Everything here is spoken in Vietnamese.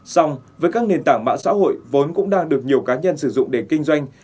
xong với các nền tảng mạng xã hội vốn cũng đang được nhiều cá nhân sử dụng để kinh doanh